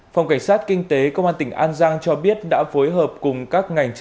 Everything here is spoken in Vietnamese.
phòng cảnh sát kinh tế công an tỉnh an giang cho biết đã phối hợp cùng các ngành chức năng